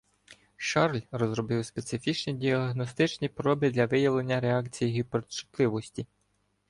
Шарль розробив специфічні діагностичні проби для виявлення реакцій гіперчутливості.